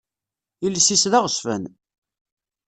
Iles-is d aɣezfan.